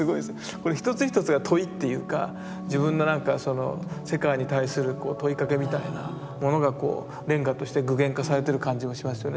これ一つ一つが問いっていうか自分の何か世界に対する問いかけみたいなものがこうレンガとして具現化されてる感じもしますよね。